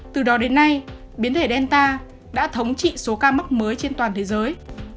từ đó đến nay biến thể delta đã thống trị số ca mắc mới trên toàn thế giới